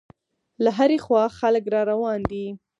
له هرې خوا خلک را روان دي.